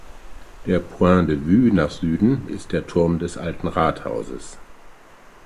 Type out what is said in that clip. Der Point de vue nach Süden ist der Turm des Alten Rathauses.